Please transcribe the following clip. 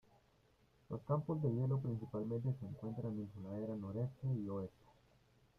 Los campos de hielo principalmente se encuentran en su ladera noreste y oeste.